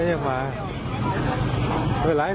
ได้กับหลายส่วนตลอดแข็ง